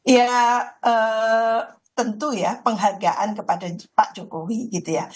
ya tentu ya penghargaan kepada pak jokowi gitu ya